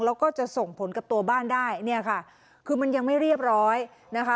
แล้วก็จะส่งผลกับตัวบ้านได้เนี่ยค่ะคือมันยังไม่เรียบร้อยนะคะ